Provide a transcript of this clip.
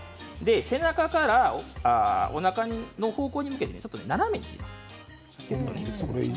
背中から、おなかの方向に向けてちょっと斜めに切ります。